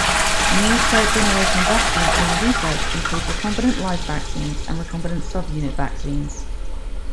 New third-generation vaccines being researched include recombinant live vaccines and recombinant sub-unit vaccines.